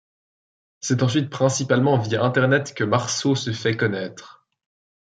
C'est ensuite principalement via Internet que Marsault se fait connaître.